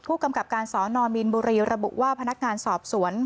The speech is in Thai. ผู้กำกับการสนมีนบุรีระบุว่าพนักงานสอบสวน